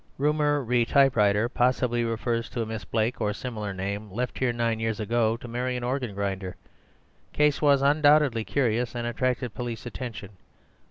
Rumour re typewriter possibly refers to a Miss Blake or similar name, left here nine years ago to marry an organ grinder. Case was undoubtedly curious, and attracted police attention.